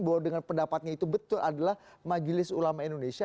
bahwa majelis ulama indonesia